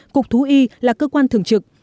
cục thú y là cơ quan thường trực